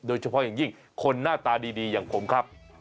โดยเฉพาะอย่างยิ่งคนหน้าตาดีอย่างผมครับ